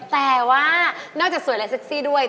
แต่ว่านอกจากสวยและเซ็กซี่ด้วย